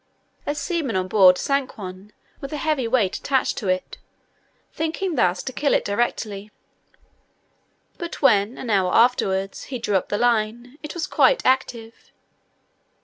A seaman on board sank one, with a heavy weight attached to it, thinking thus to kill it directly; but when, an hour afterwards, he drew up the line, it was quite active.